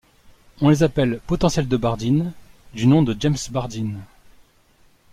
On les appelle potentiels de Bardeen, du nom de James Bardeen.